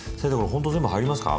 ほんと全部入りますか？